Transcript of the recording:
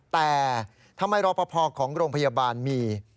แต่ทำไมรอปภของโรงพยาบาลมี